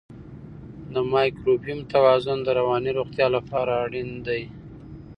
د مایکروبیوم توازن د رواني روغتیا لپاره اړین دی.